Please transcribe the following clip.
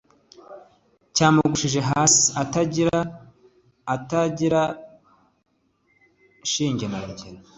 cyamugushije hasi arigicibga atagira shinge na rugero